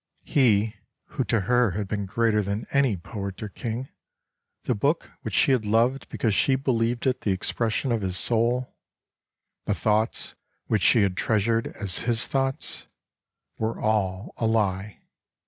He who to her had been greater than any poet or king, the book which she had loved because she believed it the ex pression of his soul, the thoughts which she had treasured as his thoughts — were all a lie.